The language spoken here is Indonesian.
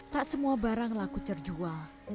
tak semua barang laku terjual